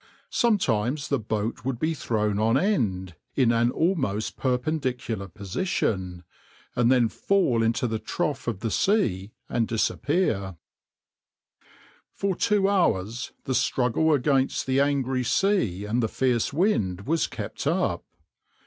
Sometimes the boat would be thrown on end, in an almost perpendicular position, and then fall into the trough of the sea and disappear.\par For two hours the struggle against the angry sea and the fierce wind was kept up.